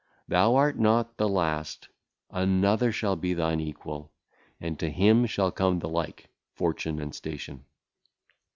Thou art not the last; another shall be thine equal, and to him shall come the like [fortune and station].